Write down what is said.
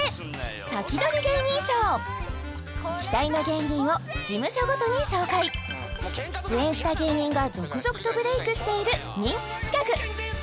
サキドリ芸人ＳＨＯＷ期待の芸人を事務所ごとに紹介出演した芸人が続々とブレイクしている人気企画